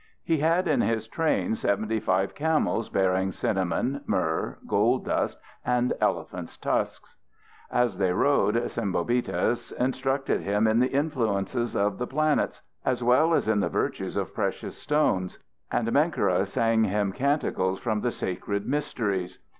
He had in his train seventy five camels bearing cinnamon, myrrh, gold dust, and elephants' tusks. As they rode, Sembobitis instructed him in the influences of the planets,{*} as well as in the virtues of precious stones, and Menkera sang to him canticles from the sacred mysteries.